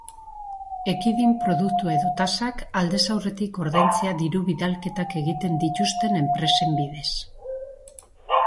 Ekidin produktua edo tasak aldez aurretik ordaintzea diru-bidalketak egiten dituzten enpresen bidez.